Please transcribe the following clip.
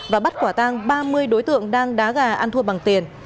và bắt quả tang ba mươi đối tượng đang đá gà ăn thua bằng tiền